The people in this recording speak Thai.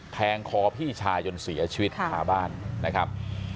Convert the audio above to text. แทงคอพี่ชายจนเสียชีวิตคาบ้านนะครับ